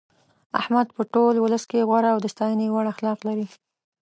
احمد په ټول ولس کې غوره او د ستاینې وړ اخلاق لري.